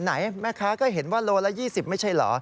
ไหนแม่ค้าก็เห็นว่าโลละ๒๐ไม่ใช่เหรอ